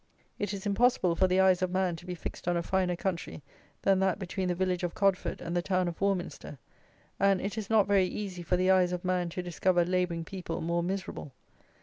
It is impossible for the eyes of man to be fixed on a finer country than that between the village of Codford and the town of Warminster; and it is not very easy for the eyes of man to discover labouring people more miserable.